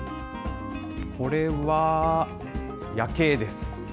これは夜景です。